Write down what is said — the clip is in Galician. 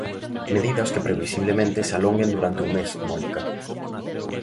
Medidas que previsiblemente se alonguen durante un mes, Mónica.